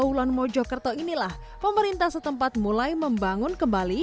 trawulan mojokerto inilah pemerintah setempat mulai membangun kembali